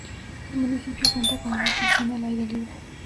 El municipio cuenta con una piscina al aire libre.